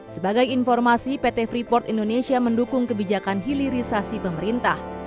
sebagai informasi pt freeport indonesia mendukung kebijakan hilirisasi pemerintah